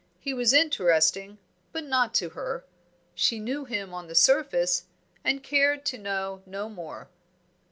He was interesting, but not to her. She knew him on the surface, and cared to know no more.